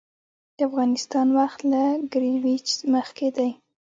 د افغانستان وخت له ګرینویچ مخکې دی